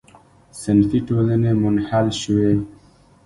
صنفي ټولنې منحل شوې.